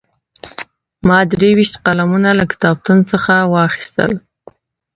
ما درې ویشت قلمونه له کتابتون څخه واخیستل.